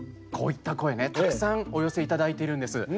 こういった声ね、たくさんお寄せいただいているんです。